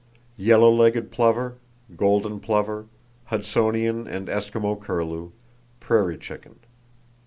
Yellow legged plover, golden plover; Hudsonian and Eskimo curlew, prairie chicken.